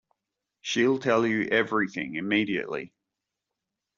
She'll tell you everything immediately.